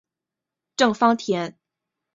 郑芳田。